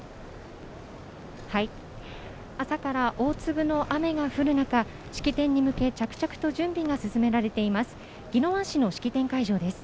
朝から大粒の雨が降る中、式典に向け着々と準備が進められています。